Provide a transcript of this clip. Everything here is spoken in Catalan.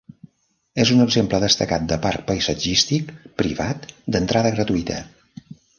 És un exemple destacat de parc paisatgístic privat d'entrada gratuïta.